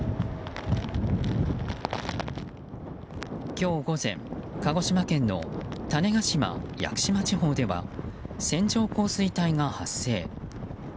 今日午前、鹿児島県の種子島、屋久島地方では線状降水帯が発生。